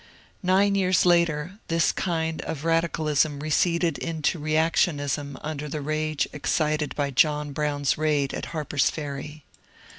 Nine years later this kind of radicalism receded into reactionism under the rage excited by John Brown's raid at Harper's Ferry.